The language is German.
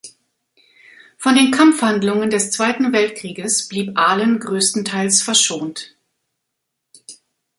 Von den Kampfhandlungen des Zweiten Weltkrieges blieb Aalen größtenteils verschont.